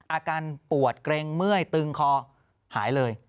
อาการปวดเกร็งเมื่อยตึงคอหายเลย